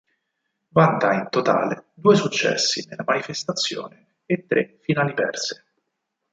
Vanta in totale due successi nella manifestazione e tre finali perse.